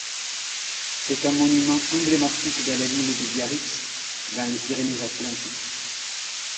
C'est un monument emblématique de la ville de Biarritz dans les Pyrénées-Atlantiques.